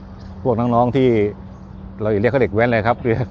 พวกน้องที่เราเรียกเขาเด็กแว้นเลยครับ